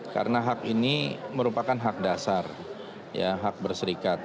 karena hak ini merupakan hak dasar hak berserikat